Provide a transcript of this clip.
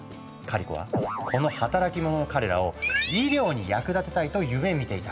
カリコはこの働き者の彼らを医療に役立てたいと夢みていたんだとか。